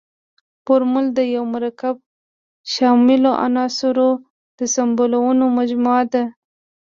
فورمول د یوه مرکب د شاملو عنصرونو د سمبولونو مجموعه ده.